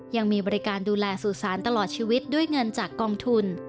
ยังมีบริการดูแลสู่สารตลอดชีวิตด้วยเงินจากกองทุน